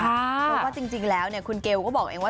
เพราะว่าจริงแล้วคุณเกลก็บอกเองว่า